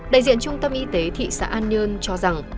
đại diện trung tâm y tế thị xã an nhơn cho rằng